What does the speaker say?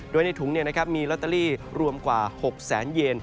ด้วยในถุงนี้นะครับมีลอตเตอรี่รวมกว่า๖๐๐๐๐๐เยน